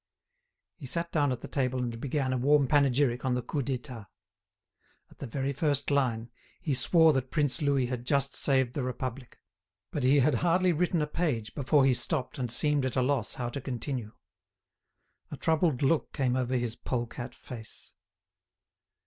He sat down at the table and began a warm panegyric on the Coup d'État. At the very first line, he swore that Prince Louis had just saved the Republic; but he had hardly written a page before he stopped and seemed at a loss how to continue. A troubled look came over his pole cat face.